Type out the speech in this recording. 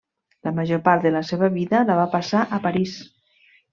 La major part de la seva vida la va passar a París.